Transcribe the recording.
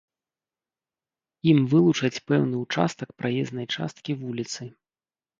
Ім вылучаць пэўны ўчастак праезнай часткі вуліцы.